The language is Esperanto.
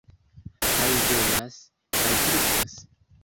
Kaj ĝojaj, kaj tristaj.